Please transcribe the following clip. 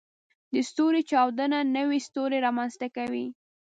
د ستوري چاودنه نوې ستوري رامنځته کوي.